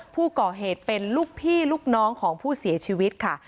ผู้ก่อเหตุเป็นลูกพี่ลูกน้องของผู้เสียชีวิตค่ะ